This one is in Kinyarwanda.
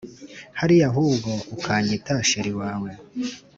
hariya ahubwo ukanyita cheri wawe